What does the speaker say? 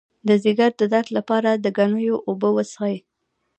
د ځیګر د درد لپاره د ګنیو اوبه وڅښئ